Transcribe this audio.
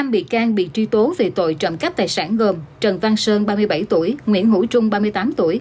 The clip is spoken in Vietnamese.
năm bị can bị truy tố về tội trộm cắp tài sản gồm trần văn sơn ba mươi bảy tuổi nguyễn hữu trung ba mươi tám tuổi